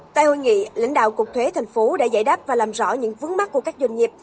tại hội nghị lãnh đạo cục thuế thành phố đã giải đáp và làm rõ những vướng mắt của các doanh nghiệp